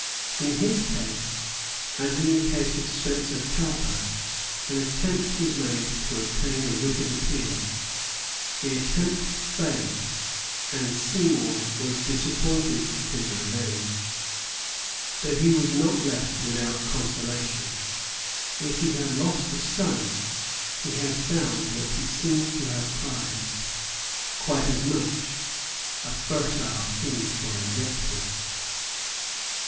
In his case, as in the case of Spencer Cowper, an attempt was made to obtain a writ of appeal. The attempt failed; and Seymour was disappointed of his revenge; but he was not left without consolation. If he had lost a son, he had found, what he seems to have prized quite as much, a fertile theme for invective.